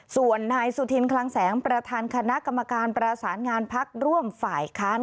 ส่วนนายสุธินคลังแสงประธานคณะกรรมการประสานงานพักร่วมฝ่ายค้าน